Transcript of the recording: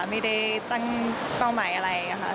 ไม่ได้ตั้งเป้าหมายอะไรค่ะ